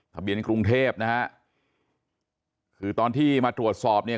กรุงเทพนะฮะคือตอนที่มาตรวจสอบเนี่ย